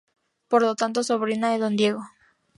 Por lo tanto, sobrina de don Diego.